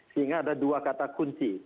sehingga ada dua kata kunci